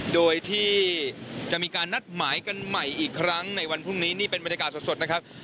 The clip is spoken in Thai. โดยที่จะมีการนัดหมายกันใหม่อีกครั้งในวันพรุ่งนี้นี่เป็นบรรยากาศสดนะครับ